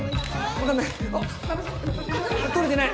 分かんない。